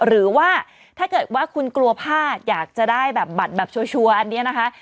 หรือว่าถ้าเกิดว่าคุณกลัวพลาดอยากจะได้แบบบัตรแบบชัวร์อันนี้นะคะ